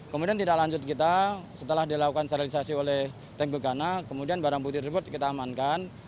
kemudian tindak lanjut kita setelah dilakukan sterilisasi oleh tank begana kemudian barang bukti tersebut kita amankan